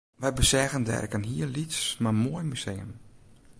Wy beseagen dêr ek in hiel lyts mar moai museum